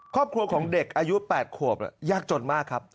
ครอบครัวของเด็กอายุ๘ขวบยากจนมากครับ